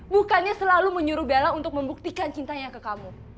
bukannya selalu menyuruh bella untuk membuktikan cintanya ke kamu